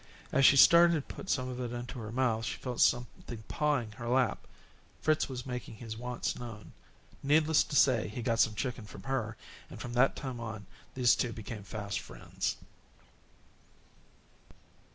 As she started to put some of it into her mouth, she felt something pawing her lap. Fritz was making his wants known. Needless to say, he got some chicken from her, and from that time on these two became fast friends.